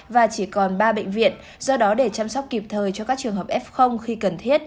và chỉ còn ba bệnh viện do đó để chăm sóc kịp thời cho các trường hợp f khi cần thiết